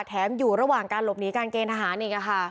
อยู่ระหว่างการหลบหนีการเกณฑ์ทหารอีก